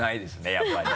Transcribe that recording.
やっぱり。